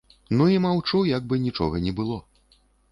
Ну і маўчу, як бы нічога не было.